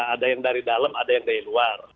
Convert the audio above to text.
ada yang dari dalam ada yang dari luar